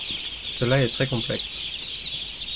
Cela est trés complexe.